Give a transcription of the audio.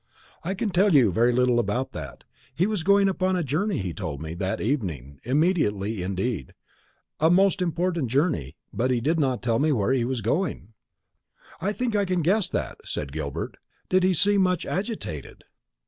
"I can tell you very little about that. He was going upon a journey he told me, that evening, immediately indeed; a most important journey; but he did not tell me where he was going." "I think I can guess that," said Gilbert. "Did he seem much agitated?"